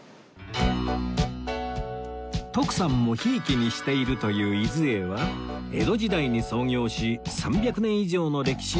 徳さんも贔屓にしているという伊豆榮は江戸時代に創業し３００年以上の歴史を誇る老舗